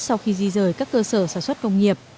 sau khi di rời các cơ sở sản xuất công nghiệp